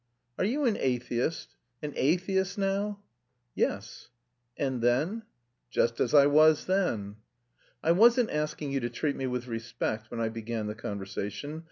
"Are you an atheist? An atheist now?" "Yes." "And then?" "Just as I was then." "I wasn't asking you to treat me with respect when I began the conversation.